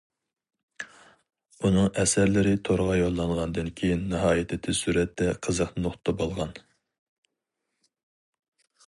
ئۇنىڭ ئەسەرلىرى تورغا يوللانغاندىن كېيىن ناھايىتى تېز سۈرئەتتە قىزىق نۇقتا بولغان.